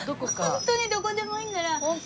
ホントにどこでもいいです。